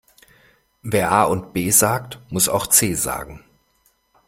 Wer A und B sagt, muss auch C sagen.